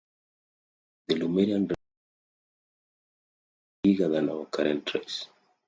The Lemurian race was much taller and bigger than our current race.